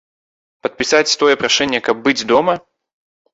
Падпісаць тое прашэнне, каб быць дома?